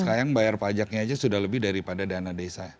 sekarang bayar pajaknya aja sudah lebih daripada dana desa